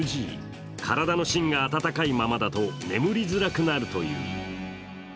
体の芯が温かいままだと眠りづらくなるという。